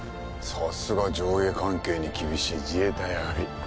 さすが上下関係に厳しい自衛隊上がり。